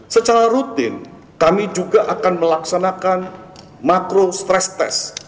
secara rutin kami juga akan melaksanakan makro stress test